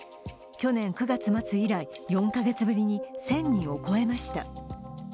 去年９月末以来、４カ月ぶりに１０００人を超えました。